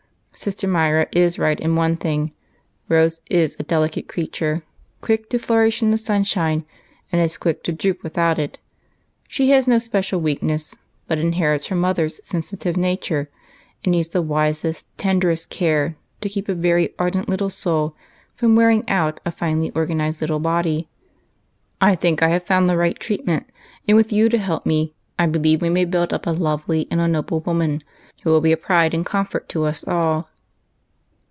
Sister Myra is right in one thing, ^ Rose is a delicate creature, quick to flourish in the sunshine, and as quick to droop without it. She has no special weakness, but inherits her mother's sensitive nature, and needs the wisest, tenderest care to keep a very ardent little soul from wearing out a finely organized little body. I think I have found the right treatment, and, with you to help me, I be lieve we may build up a lovely and a noble woman, who will be a pride and comfort to us all."